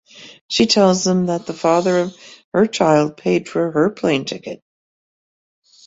She tells them that the father of her child paid for her plane ticket.